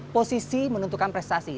posisi menentukan prestasi